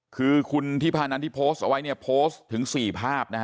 คือคุณทิพานันที่โพสต์เอาไว้เนี่ยโพสต์ถึง๔ภาพนะฮะ